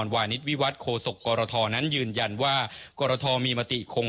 แบ่งเป็นแบบแบ่งเขต๓๕๐คน